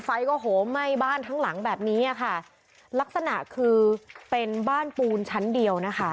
ไฟก็โหไหม้บ้านทั้งหลังแบบนี้อ่ะค่ะลักษณะคือเป็นบ้านปูนชั้นเดียวนะคะ